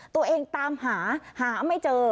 ตัวเองตามหาหาไม่เจอ